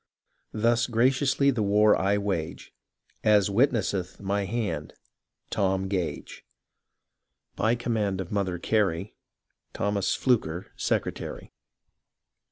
— Thus graciously the war I wage, As witnesseth my hand — Tom Gage. By command of Mother Gary, Thomas Flucker, Secretary.